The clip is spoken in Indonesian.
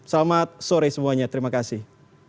selamat sore semuanya terima kasih